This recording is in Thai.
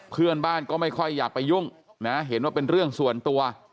เพื่อนบ้านก็ไม่ค่อยอยากไปยุ่งนะเห็นว่าเป็นเรื่องส่วนตัว